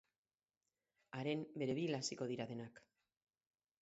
Haren bere bila hasiko dira denak.